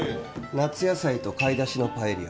夏野菜と貝出汁のパエリア